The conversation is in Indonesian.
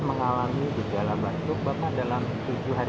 terdiri dari vaksin dari sinovac